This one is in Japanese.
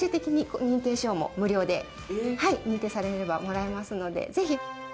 認定されればもらえますので。